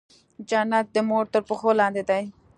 جنت د مور تر پښو لاندې دی